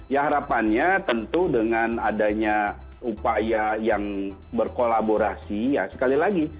ya harapannya tentu dengan adanya upaya yang berkolaborasi ya sekali lagi